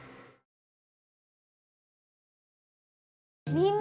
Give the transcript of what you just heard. みんな！